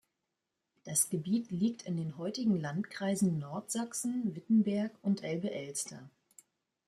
Das Gebiet liegt in den heutigen Landkreisen Nordsachsen, Wittenberg und Elbe-Elster.